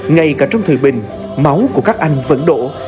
ngay cả trong thời bình máu của các anh vẫn đổ